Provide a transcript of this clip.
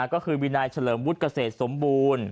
ก็คือมีนายเฉลิมวุฒิเกษตรสมบูรณ์